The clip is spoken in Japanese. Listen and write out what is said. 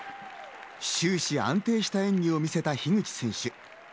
終始安定した演技を見せた樋口選手。